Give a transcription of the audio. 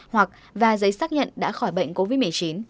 hoặc và giấy xác nhận đã khỏi bệnh covid một mươi chín